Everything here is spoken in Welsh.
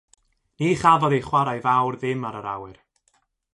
Ni chafodd ei chwarae fawr ddim ar yr awyr.